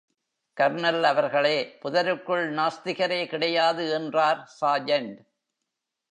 Kernel அவர்களே, புதருக்குள் நாஸ்திகரே கிடையாது என்றார் சார்ஜெண்ட்.